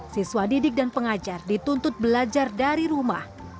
siswa didik dan pengajar dituntut belajar dari rumah